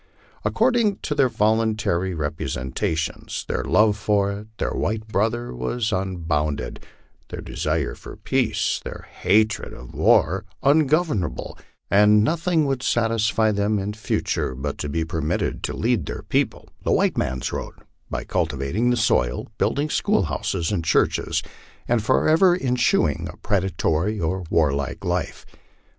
According to their voluntary representations, their love for their white brothers was unbounded; their desire for peace, their hatred of war, ungovernable ; and nothing would sat isfy them in future but to be permitted to lead their people " the white man's road," by cultivating the soil, building schoolhouses and churches, and for ever eschewing a predatory or warlike life.